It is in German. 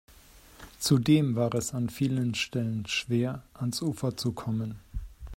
Zudem war es an vielen Stellen schwer, ans Ufer zu kommen.